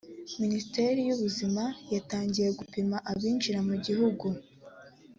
Minisiteri y’Ubuzima yatangiye gupima abinjira mu gihugu